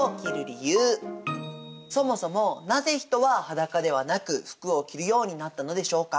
そもそもなぜ人は裸ではなく服を着るようになったのでしょうか？